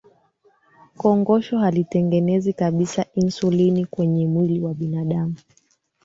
kongosho halitengenezi kabisa insulini kwenye mwili wa binadamu